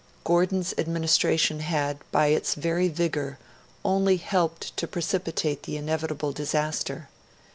Gordon's administration had, by its very vigour, only helped to precipitate the inevitable disaster.